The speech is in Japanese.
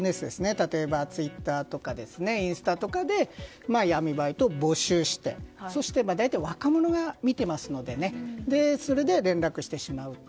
例えばツイッターとかインスタとかで闇バイトを募集しそして、大体若者が見ていますのでそれで連絡してしまうと。